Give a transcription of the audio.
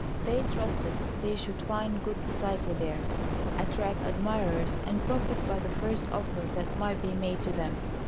They trusted they should find good society there, attract admirers, and profit by the first offer that might be made to them.